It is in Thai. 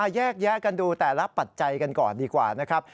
แยกแยะกันดูแต่ละปัจจัยกันก่อนดีกว่านะครับ